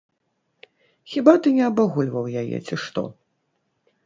Хіба ты не абагульваў яе, ці што?